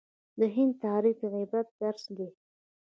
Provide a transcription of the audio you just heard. د هند تاریخ د عبرت درس دی.